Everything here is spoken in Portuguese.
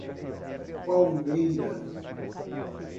Palmeira